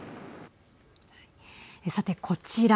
さて、こちら。